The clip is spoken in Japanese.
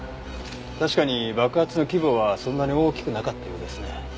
確かに爆発の規模はそんなに大きくなかったようですね。